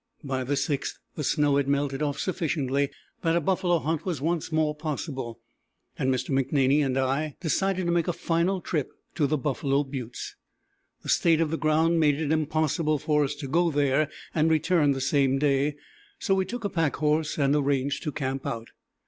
By the 6th the snow had melted off sufficiently that a buffalo hunt was once more possible, and Mr. McNaney and I decided to make a final trip to the Buffalo Buttes. The state of the ground made it impossible for us to go there and return the same day, so we took a pack horse and arranged to camp out.